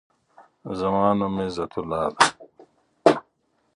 زما نوم عزت الله دی.